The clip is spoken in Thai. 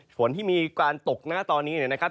ฝนที่มีการตกหน้าตอนนี้นะครับ